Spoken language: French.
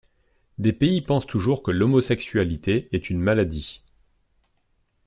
Des pays pensent toujours que l'homosexualité est une maladie.